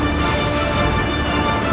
menyakiti rakyat yang tidak berdosa